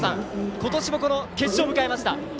今年も決勝を迎えました。